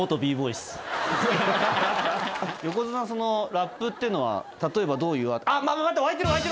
横綱はラップっていうのは例えばどういうあっ待って！